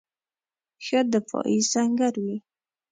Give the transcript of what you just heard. ښه دفاعي سنګر وي.